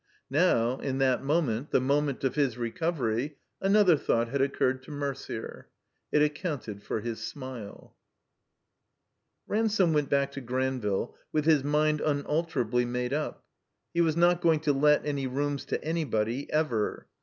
Now, in that moment, the moment of his recovery, an other thought had occiured to Mercier. It accounted for his smile. Ransome went back to Granville with his mind tmalterably made up. He was not going to let any rooms to anybody, ever.